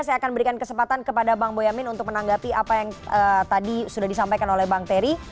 saya akan berikan kesempatan kepada bang boyamin untuk menanggapi apa yang tadi sudah disampaikan oleh bang terry